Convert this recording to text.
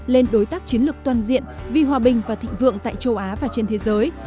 lên đối tác chiến lược toàn diện vì hòa bình và thịnh vượng tại châu á và trên thế giới